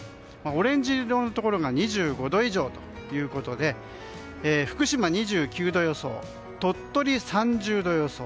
オレンジ色のところが２５度以上ということで福島、２９度予想鳥取、３０度予想